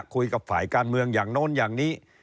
คุยกับฝ่ายการเมืองอย่างโน้นอย่างนี้